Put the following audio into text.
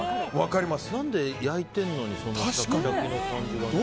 何で、焼いてるのにシャキシャキの感じがね。